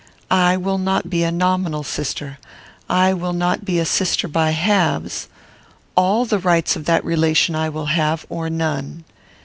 "I will not be a nominal sister. I will not be a sister by halves. All the rights of that relation I will have, or none.